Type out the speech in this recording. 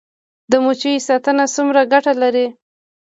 د مچیو ساتنه څومره ګټه لري؟